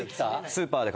スーパーで。